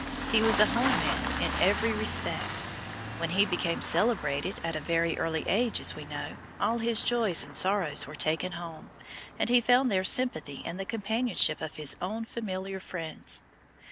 He was a "home man" in every respect. When he became celebrated at a very early age, as we know, all his joys and sorrows were taken home; and he found there sympathy and the companionship of his "own familiar friends."